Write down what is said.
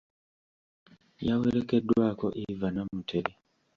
Yawerekeddwako Eva Namutebi.